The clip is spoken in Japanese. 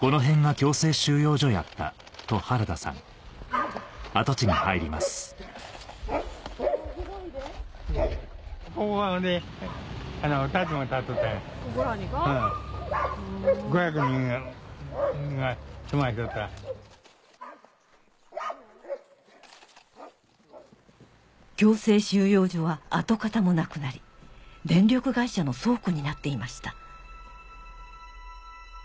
強制収容所は跡形もなくなり電力会社の倉庫になっていました